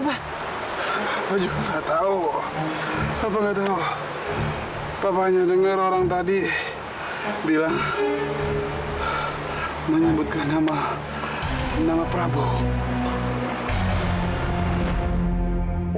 tahu apa enggak tahu papanya dengar orang tadi bilang menyebutkan nama nama prabowo